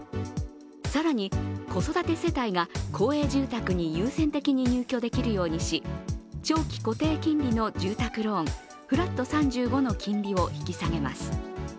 更に子育て世帯が公営住宅に優先的に入居できるようにし長期固定金利の住宅ローン、フラット３５の金利を引き下げます。